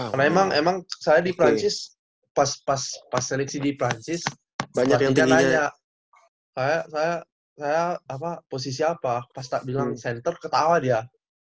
karena emang saya di prancis pas seleksi di prancis banyak yang tanya saya posisi apa pas bilang center ketawa dia